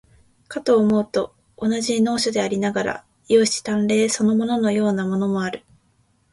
かと思うと、同じ能書でありながら、容姿端麗そのもののようなものもある。